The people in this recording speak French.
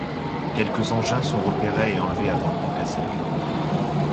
Quelques engins sont repérés et enlevés avant le concassage.